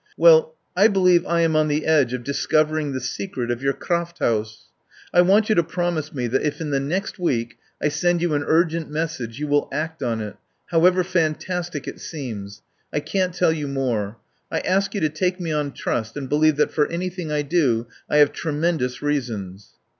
Well, I believe I am on the edge of discovering the secret of your Krafthaus. I want you to promise me that if in the next week I send you an urgent message you will act on it, however fantastic it seems. I can't tell you more. I ask you to take me on trust, and believe that for any thing I do I have tremendous reasons."